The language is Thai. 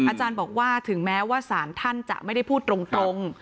อาจารย์บอกว่าถึงแม้ว่าสารท่านจะไม่ได้พูดตรง